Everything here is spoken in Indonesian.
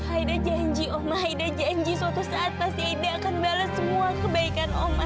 aida janji oma aida janji suatu saat pasti aida akan balas semua kebaikan oma